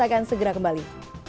akan segera kembali